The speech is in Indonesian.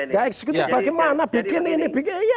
ya eksekutif bagaimana bikin ini bikin ini